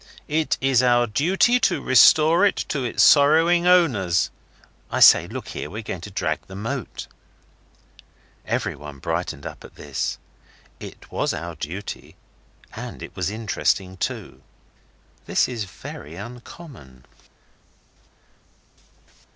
It's our duty to restore it to its sorrowing owners. I say, look here we're going to drag the moat.' Everyone brightened up at this. It was our duty and it was interesting too. This is very uncommon.